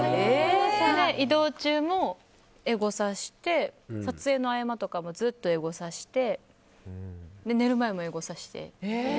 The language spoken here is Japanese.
移動中もエゴサして撮影の合間とかもずっとエゴサして寝る前もエゴサして。